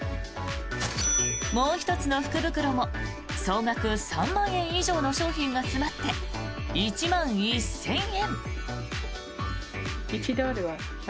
もう１つの福袋も総額３万円以上の商品が詰まって１万１０００円。